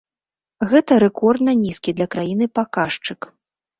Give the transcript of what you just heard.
Гэта рэкордна нізкі для краіны паказчык.